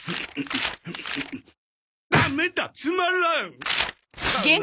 ダメだつまらん！